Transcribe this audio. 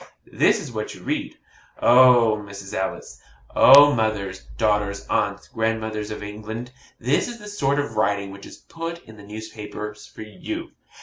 This is what you read. Oh, Mrs. Ellis! Oh, mothers, daughters, aunts, grandmothers of England, this is the sort of writing which is put in the newspapers for you!